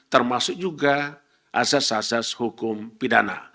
termasuk juga asas asas hukum pidana